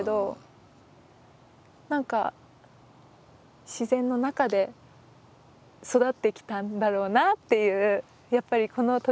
何か自然の中で育ってきたんだろうなっていう。